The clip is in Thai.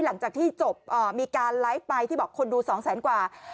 หลังจากที่จบมีการไลฟ์ไปที่บอกคนดู๒แสนกว่า